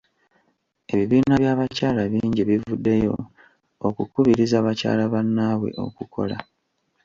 Ebibiina by'abakyala bingi bivuddeyo okukubiriza bakyala bannabwe okukola.